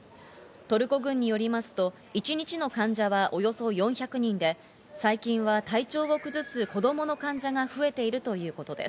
トルコ軍によりますと一日の患者はおよそ４００人で、最近は体調を崩す子どもの患者が増えているということです。